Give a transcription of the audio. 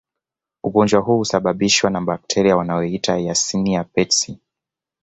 Ugonjwa huu husababishwa na bakteria wanaoitwa Yersinia pestis